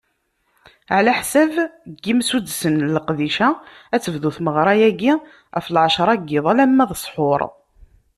Ɛlaḥsab n yimsuddsen n leqdic-a, ad tebdu tmeɣra-agi ɣef lɛecra n yiḍ alamma d ṣṣḥur.